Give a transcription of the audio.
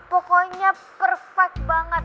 pokoknya perfect banget